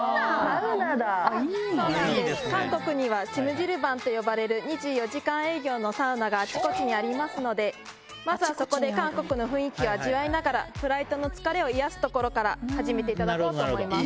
韓国にはチムジルバンと呼ばれる２４時間営業のサウナがあちこちにありますのでまずはそこで韓国の雰囲気を味わいながらフライトの疲れを癒やすところから始めていただこうと思います。